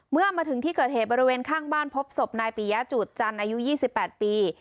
เมื่อมาถึงที่เกิดเหตุบริเวณข้างบ้านพบศพนายปียะจุดจันทร์อายุ๒๘ปี